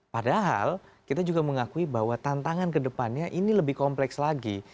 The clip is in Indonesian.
padahal kita juga mengakui bahwa tantangan kedepannya ini lebih kompleks lagi